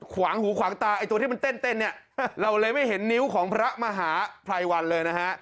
ขวางหูขวางตาไอ้ตัวที่มันเต้นเนี่ยเราเลยไม่เห็นนิ้วของพระมหาภัยวันเลยนะฮะ